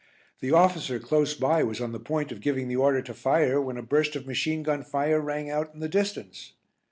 The officer close by was on the point of giving the order to fire when a burst of machine gun fire rang out in the distance.